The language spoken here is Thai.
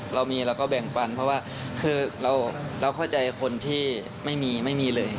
เรามีเราก็แบ่งปันเพราะว่าคือเราเข้าใจคนที่ไม่มีไม่มีเลย